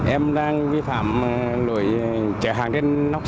em đang vi phạm lỗi chạy hàng trên